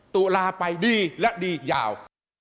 ตุลาไปดีและดียาว